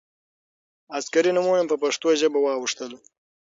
عسکري نومونه په پښتو ژبه واوښتل.